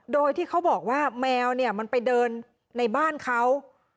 โดยที่เขาบอกว่าแมวเนี่ยมันไปเดินในบ้านเขา